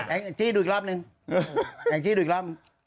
แอ็กซี่ดูอีกรอบนึงแอ็กซี่ดูอีกรอบนี่ฮะ